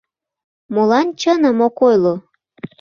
Молан чыным ок ойло?..